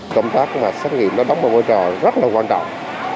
công tác xác nghiệm đóng một môi trò rất là quan trọng